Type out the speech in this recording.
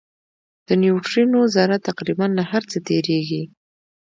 د نیوټرینو ذره تقریباً له هر څه تېرېږي.